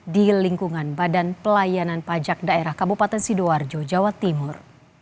di lingkungan badan pelayanan pajak daerah kabupaten sidoarjo jawa timur